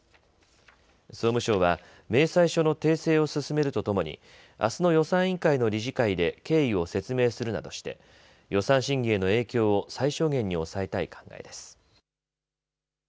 総務省は明細書の訂正を進めるとともにあすの予算委員会の理事会で経緯を説明するなどして予算審議への影響を最小限に抑えたい考えです。